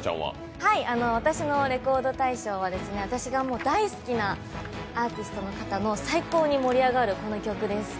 私の「レコード大賞」は私が大好きなアーティストの方の最高に盛り上がる、この曲です。